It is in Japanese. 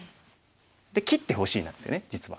で「切ってほしい」なんですよね実は。